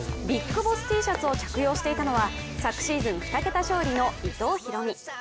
ビッグボスＴシャツを着用していたのは昨シーズン２桁勝利の伊藤大海。